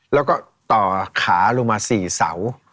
แล้วก็ต่อขาลงมา๔เสา